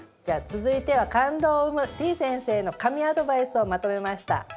じゃあ続いては感動を生むてぃ先生の神アドバイスをまとめました。